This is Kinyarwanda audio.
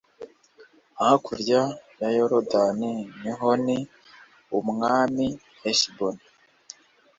Hakurya ya yorodani sihoni umwami heshiboni